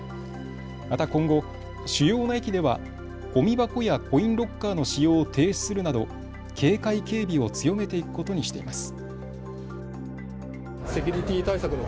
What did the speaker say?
また今後、主要な駅ではごみ箱やコインロッカーの使用を停止するなど警戒警備を強めていくことにしています。